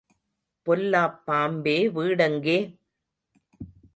பொல்லாப் பாம்பே, வீடெங்கே?